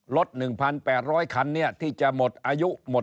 ลด๑๘๐๐คันที่จะหมดอายุ